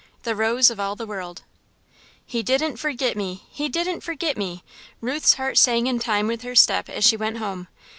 The Rose of all the World "He didn't forget me! He didn't forget me!" Ruth's heart sang in time with her step as she went home.